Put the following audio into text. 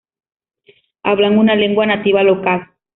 Hablan una lengua nativa local.